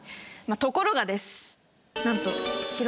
ところがです。